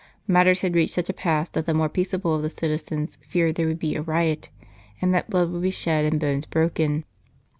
Matters had reached such a pass that the more peaceable of the citizens feared there would be a riot, and that blood would be shed and bones broken.